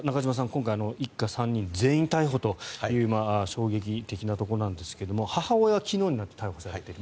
今回の一家３人全員逮捕という衝撃的なところなんですが母親は昨日になって逮捕されている。